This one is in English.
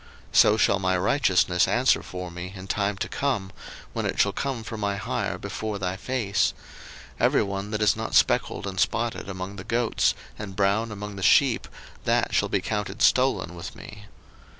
01:030:033 So shall my righteousness answer for me in time to come, when it shall come for my hire before thy face: every one that is not speckled and spotted among the goats, and brown among the sheep, that shall be counted stolen with me.